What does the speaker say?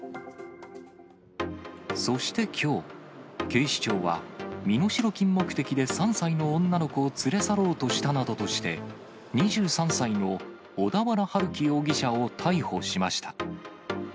そしてきょう、警視庁は身代金目的で３歳の女の子を連れ去ろうとしたなどとして、２３歳の小田原春輝容疑者を逮捕しました。